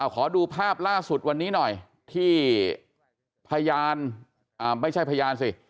ขอดูภาพล่าสุดวันนี้หน่อยที่พยานไม่ใช่พยานสิ